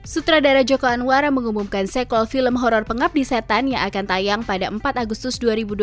sutradara joko anwar mengumumkan sekol film horror pengabdi setan yang akan tayang pada empat agustus dua ribu dua puluh